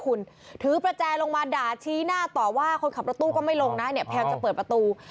คุณถือประแจลงมาด่าชี้หน้าต่อว่าคนขับรถตู้ก็ไม่ลงนะเนี่ยพยายามจะเปิดประตู